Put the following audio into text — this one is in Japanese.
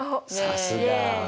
さすが。